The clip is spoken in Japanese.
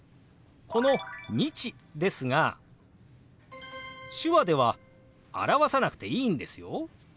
この「日」ですが手話では表さなくていいんですよ。